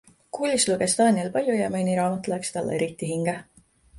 Koolis luges Daniel palju ja mõni raamat läks talle eriti hinge.